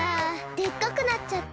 でっかくなっちゃった。